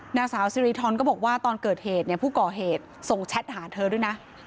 นางสาวสิริธรก็บอกว่าตอนเกิดเหตุเนี่ยผู้ก่อเหตุส่งแชทหาเธอด้วยนะ